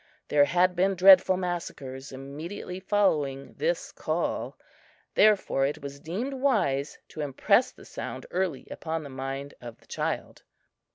There had been dreadful massacres immediately following this call. Therefore it was deemed wise to impress the sound early upon the mind of the child.